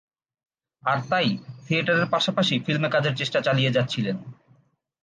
আর তাই থিয়েটারের পাশাপাশি ফিল্মে কাজের চেষ্টা চালিয়ে যাচ্ছিলেন।